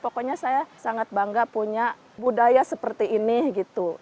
pokoknya saya sangat bangga punya budaya seperti ini gitu